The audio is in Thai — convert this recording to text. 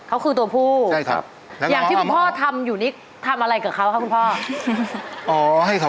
เขาคือตัวผู้อย่างที่คุณพ่อทำอยู่นี่ทำอะไรกับเขาครับคุณพ่อใช่ครับ